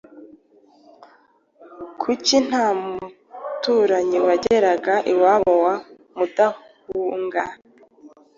Kuki nta muturanyi wageraga iwabo wa Mudahunga?